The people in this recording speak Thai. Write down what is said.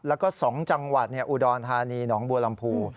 แล้วก็๒จังหวัดอุดรธานีหนองบัวลำพู